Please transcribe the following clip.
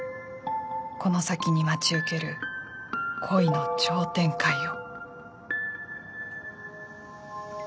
この先に待ち受ける恋の超展開を。